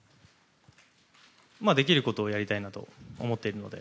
できることをやりたいなと思っているので。